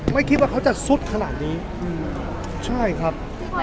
ไม่คิดว่าเขาจะซุดขนาดนี้อืมใช่ครับพี่พ่ออยากบอกอะไร